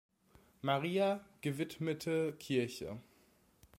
Maria gewidmete Kirche.